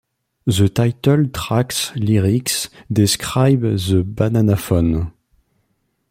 The title track's lyrics describe the bananaphone.